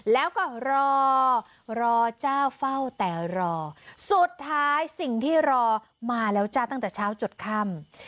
แล้วก็รอรอเจ้าเฝ้าแต่รอสุดท้ายสิ่งที่รอมาแล้วจ้าตั้งแต่เช้าจดค่ำ